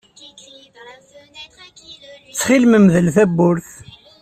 Ttxil-m mdel tawwurt.